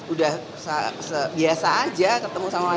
udah sebiasa aja ketemu sama mas gibran